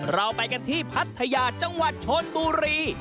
เราไปกันที่พัทยาจังหวัดชนบุรี